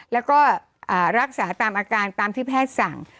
แล้วก็รักษาตามอาการตามที่แพทย์สั่ง